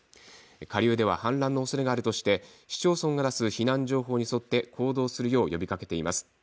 下流では氾濫のおそれがあるとして、市町村が出す避難情報に沿って行動するよう呼びかけています。